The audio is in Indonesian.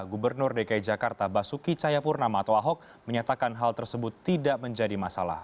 gubernur dki jakarta basuki cayapurnama atau ahok menyatakan hal tersebut tidak menjadi masalah